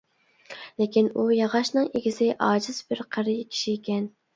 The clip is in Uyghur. لېكىن ئۇ ياغاچنىڭ ئىگىسى ئاجىز بىر قېرى كىشىكەن.